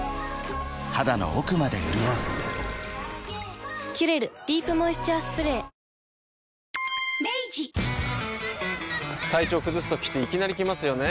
肌の奥まで潤う「キュレルディープモイスチャースプレー」体調崩すときっていきなり来ますよね。